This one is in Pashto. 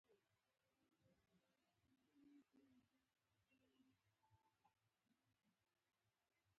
هوګو د انګلستان اوسیدونکی و سمه بڼه ولیکئ.